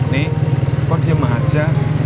nih kok diam aja